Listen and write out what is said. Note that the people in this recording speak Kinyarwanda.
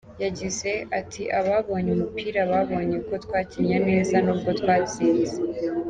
Yagize ati “Ababonye umupira babonye ko twakinnye neza nubwo twatsinze.